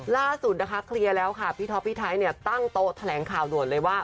ล่าสุดเคลียร์แล้วค่ะพี่ท้อพี่ไทยตั้งโตะแถลงข่าวด่วนเลยว่า